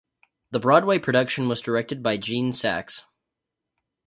The Broadway production was directed by Gene Saks.